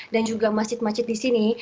dan juga masjid masjid di sini